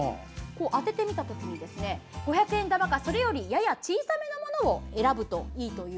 当ててみたときに五百円玉がやや小さめのものを選ぶといいと。